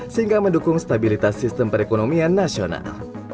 sehingga mendukung stabilitas sistem perekonomian nasional